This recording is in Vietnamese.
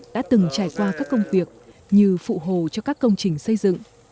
đã từng trải qua các công việc như phụ hồ cho các công trình xây dựng